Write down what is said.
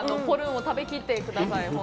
ポルンを食べきってください。